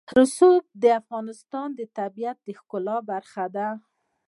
رسوب د افغانستان د طبیعت د ښکلا برخه ده.